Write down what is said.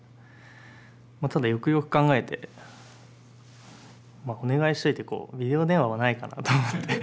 ただよくよく考えてお願いしといてビデオ電話はないかなと思って。